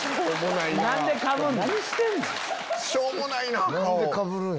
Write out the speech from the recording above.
しょうもないな顔。